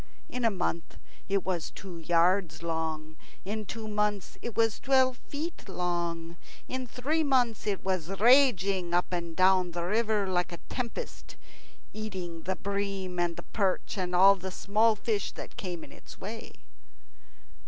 In a month it was two yards long; in two months it was twelve feet long; in three months it was raging up and down the river like a tempest, eating the bream and the perch, and all the small fish that came in its way.